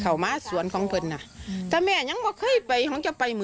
แต่คนนอกเข้ามาได้ไหม